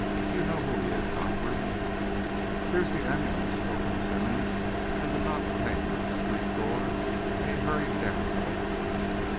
"Do you know who he is, Godfrey?" "There's the ambulance," broke in Simmonds, as a knock came at the street door, and he hurried down to open it.